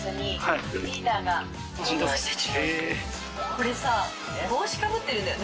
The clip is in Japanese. ・これさ帽子かぶってるんだよね？